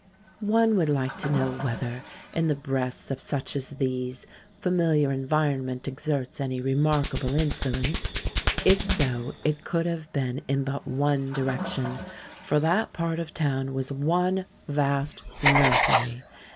One would like to know whether, in the breasts of such as these, familiar environment exerts any remarkable influence. If so, it could have been in but one direction. For that part of town was one vast nursery.